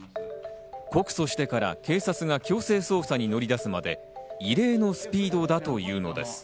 告訴してから警察が強制捜査に乗り出すまで異例のスピードだというのです。